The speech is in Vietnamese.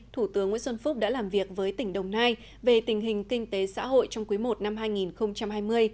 thủ tướng nguyễn xuân phúc đã làm việc với tỉnh đồng nai về tình hình kinh tế xã hội trong quý i năm hai nghìn hai mươi